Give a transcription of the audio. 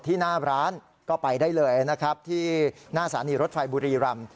หน้าร้านก็ไปได้เลยนะครับที่หน้าสถานีรถไฟบุรีรำ